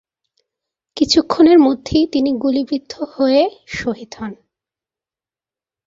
কিছুক্ষণের মধ্যেই তিনি গুলিবিদ্ধ হয়ে শহীদ হন।